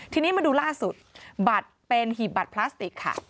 ทีนี้มาดูล่าสุดบัตรเป็นหีบบัตรพลาสติกค่ะ